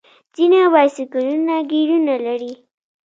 ځینې بایسکلونه ګیرونه لري.